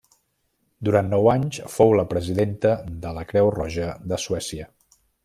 Durant nou anys fou la presidenta de la Creu Roja de Suècia.